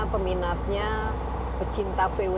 peminatnya pecinta vw